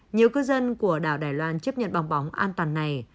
nhiều cư dân của đảo đài loan chấp nhận bong bóng an toàn này